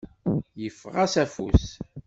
Yeffeɣ-as afus.